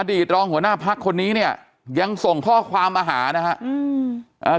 ตรองหัวหน้าพักคนนี้เนี่ยยังส่งข้อความมาหานะครับ